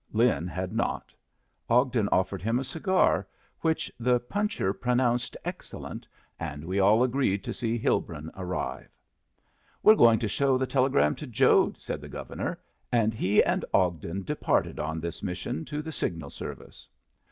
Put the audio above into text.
Lin had not. Ogden offered him a cigar, which the puncher pronounced excellent, and we all agreed to see Hilbrun arrive. "We're going to show the telegram to Jode," said the Governor; and he and Ogden departed on this mission to the signal service.